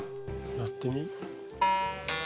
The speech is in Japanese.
やってみ。